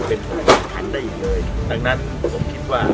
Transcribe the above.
เป็นผู้แข่งขันได้อีกเลยดังนั้นผมคิดว่า